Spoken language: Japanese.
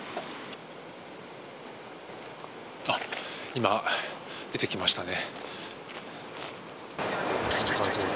今、出てきましたね。